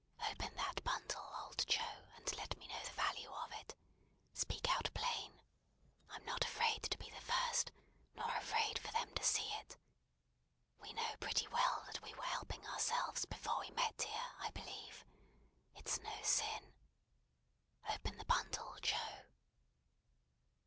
Open that bundle, old Joe, and let me know the value of it. Speak out plain. I'm not afraid to be the first, nor afraid for them to see it. We know pretty well that we were helping ourselves, before we met here, I believe. It's no sin. Open the bundle, Joe."